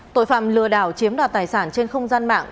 tội phạm lừa đảo chiếm đoạt tài sản trên không gian mạng